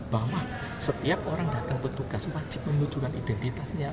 bahwa setiap orang datang petugas wajib menunjukkan identitasnya